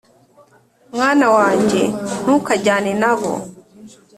Mwana wanjye ntukajyane na bo